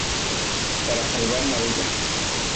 Para salvar la bella.